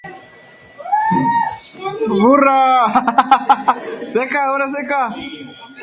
Las estípulas son caulinares y se hallan entre los pecíolos.